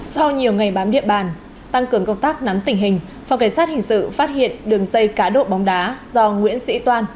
sau nhiều ngày bám điện bàn tăng cường công tác nắm tình hình phòng cảnh sát hình sự phát hiện đường dây cá độ bóng đá do nguyễn sĩ toan